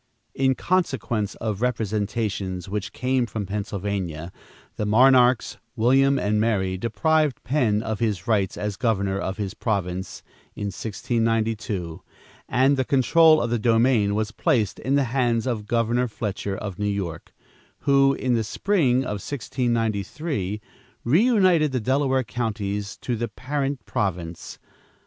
In consequence of representations which came from Pennsylvania, the monarchs William and Mary deprived Penn of his rights as governor of his province, in 1692, and the control of the domain was placed in the hands of Governor Fletcher of New York, who, in the spring of 1693, reunited the Delaware counties to the parent province.